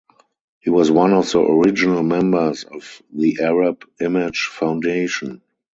He was one of the original members of the Arab Image Foundation.